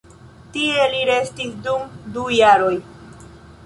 Tie li restis dum du jaroj.